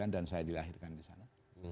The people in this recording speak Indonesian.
dan saya dilahirkan disana